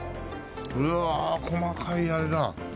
うわ細かいあれだ。